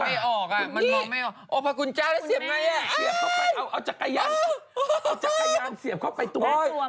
มันมองไม่ออกพระคุณจ้าจะเซียบไงเอาจักรยานเซียบเข้าไปตัวแปลตัวมาก